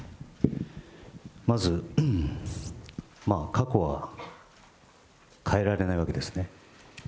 まず、過去は変えられないわけですね。